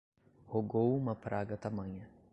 Rogou uma praga tamanha